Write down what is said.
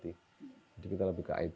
jadi kita lebih ke it